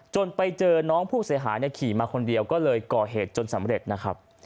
ไปเจอน้องผู้เสียหายขี่มาคนเดียวก็เลยก่อเหตุจนสำเร็จนะครับ